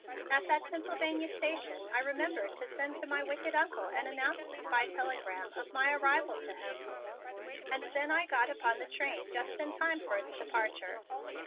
At that Pennsylvania Station I remembered to send to my wicked Uncle an announcement by telegram of my arrival to him and then I got upon the train just in time for its departure.